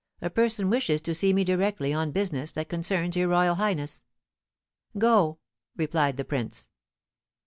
A person wishes to see me directly on business that concerns your royal highness." "Go!" replied the prince.